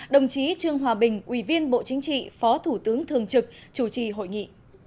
đồng chí trương hòa bình ủy viên bộ chính trị phó thủ tướng thường trực chủ trì hội nghị